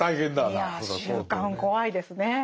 いや習慣怖いですねぇ。